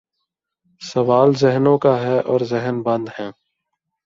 سوال ذہنوں کا ہے اور ذہن بند ہیں۔